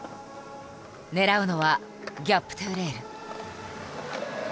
狙うのは「ギャップｔｏレール」。